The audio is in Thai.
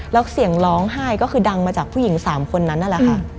แล้วเสียงร้องไห้ก็คือดังมาจากผู้หญิง๓คนนั้นนั่นแหละค่ะ